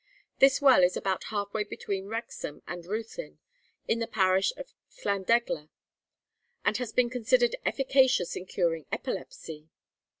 This well is about half way between Wrexham and Ruthin, in the parish of Llandegla, and has been considered efficacious in curing epilepsy.